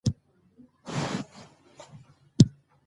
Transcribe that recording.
مور او ماشوم ځانګړې پاملرنې ته اړتيا لري.